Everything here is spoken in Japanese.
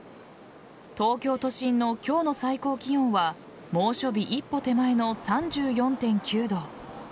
東京都心の今日の最高気温は猛暑日一歩手前の３４．９度。